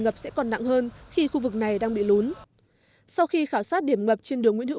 ngập sẽ còn nặng hơn khi khu vực này đang bị lún sau khi khảo sát điểm ngập trên đường nguyễn hữu